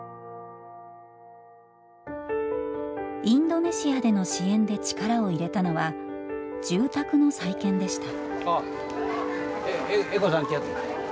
インドネシアでの支援で力を入れたのは住宅の再建でした。